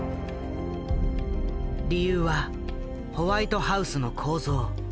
理由はホワイトハウスの構造。